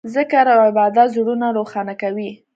ذکر او عبادت زړونه روښانه کوي.